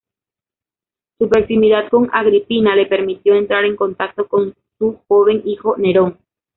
Su proximidad con Agripina le permitió entrar en contacto con su joven hijo Nerón.